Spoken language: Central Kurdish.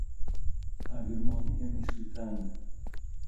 ئاگر ماڵی ئێمەی سوتاند.